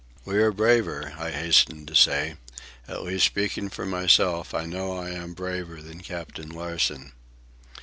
"We are braver," I hastened to say. "At least, speaking for myself, I know I am braver than Captain Larsen."